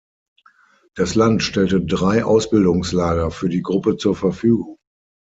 Das Land stellte drei Ausbildungslager für die Gruppe zur Verfügung.